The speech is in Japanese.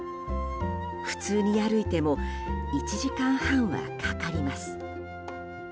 普通に歩いても１時間半はかかります。